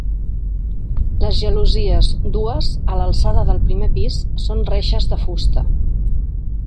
Les gelosies, dues, a l'alçada del primer pis, són reixes de fusta.